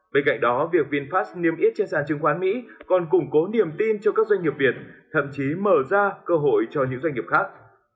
bên cạnh đó việc vinfast niêm yết trên sản chứng khoán mỹ còn củng cố niềm tin cho các doanh nghiệp việt thậm chí mở ra cơ hội cho những doanh nghiệp khác